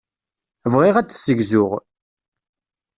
Bɣiɣ ad d-ssegzuɣ.